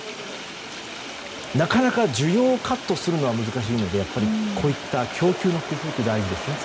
なかなか需要をカットするのは難しいのでこういった供給の工夫は大事ですね。